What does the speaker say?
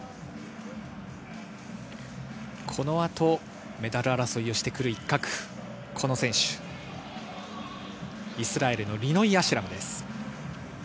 この後、メダル争いをしてくる一角、イスラエルのリノイ・アシュラムです。